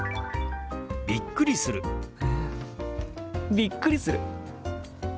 びっくりする。